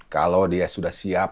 kalau dia sudah siap